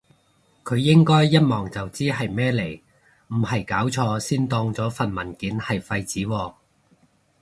佢應該一望就知係咩嚟，唔係搞錯先當咗份文件係廢紙喎？